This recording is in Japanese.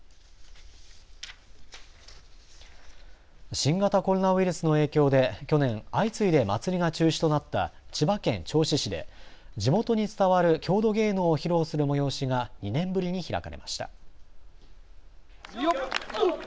新型コロナウイルスの影響で去年、相次いで祭りが中止となった千葉県銚子市で地元に伝わる郷土芸能を披露する催しが２年ぶりに開かれました。